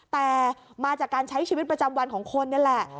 แต่มาจากการใช้ชีวิตประจำวันของคนนี่แหละ